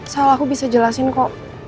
salah aku bisa jelasin kok